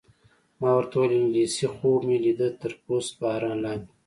ما ورته وویل: انګلېسي خوب مې لیده، تر پست باران لاندې.